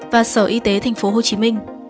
và sở y tế tp hcm